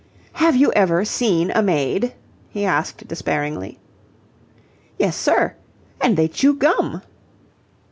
"Have you ever seen a maid?" he asked, despairingly. "Yes, sir. And they chew gum."